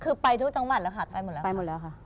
คือไปทุกจังหวัดแล้วค่ะไปหมดแล้วค่ะ